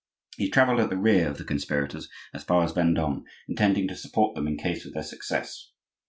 He travelled at the rear of the conspirators as far as Vendome, intending to support them in case of their success.